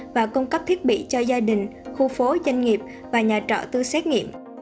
và cung cấp thiết bị cho gia đình khu phố doanh nghiệp và nhà trọ tư xét nghiệm